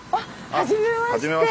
はじめまして。